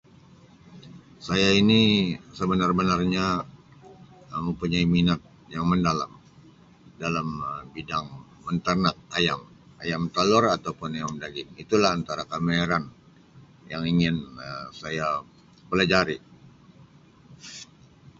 Saya ini sebenar-benarnya Um mempunyai minat yang mendalam dalam Um bidang menternak ayam ayam talur atau ayam daging itu lah antara kemahiran yang ingin Um saya pelajari.